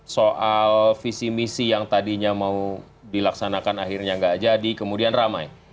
soal visi misi yang tadinya mau dilaksanakan akhirnya nggak jadi kemudian ramai